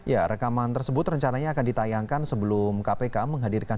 ya rekaman tersebut rencananya akan ditayangkan sebelum kpk menghadirkan